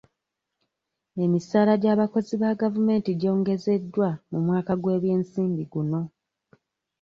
Emisaala gy'abakozi ba gavumenti gyongezeddwa mu mwaka gw'ebyensimbi guno.